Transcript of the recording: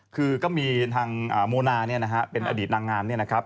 คือก็มีทางโมนาเป็นอดีตนางงามนะครับ